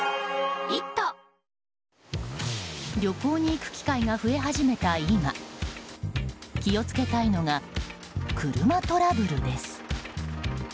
旅行に行く機会が増え始めた今気をつけたいのが車トラブルです。